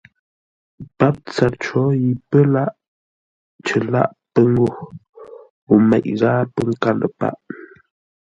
Pǎp tsâr có yi pə́ lâʼ cər lâʼ pə́ ngô o meʼ ghâa pə́ nkâr ləpâʼ.